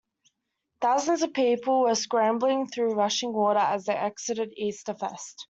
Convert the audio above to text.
Thousands of people were scrambling through rushing water as they exited Easterfest.